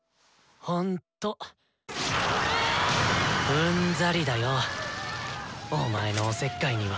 うんざりだよお前のおせっかいには。